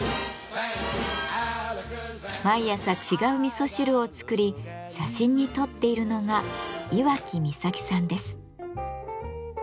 毎朝違う味噌汁を作り写真に撮っているのが岩木みさきさんです。